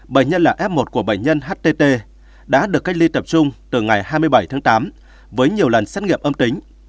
bệnh nhân là f một của bệnh nhân htt đã được cách ly tập trung từ ngày hai mươi bảy tháng tám với nhiều lần xét nghiệm âm tính